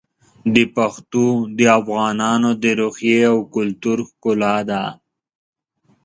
پښتو د افغانانو د روحیې او کلتور ښکلا ده.